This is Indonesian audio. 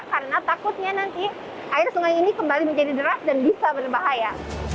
karena takutnya nanti air sungai ini kembali menjadi deras dan bisa berbahaya